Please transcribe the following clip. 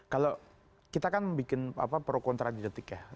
kalau kita kan bikin pro kontra di detik ya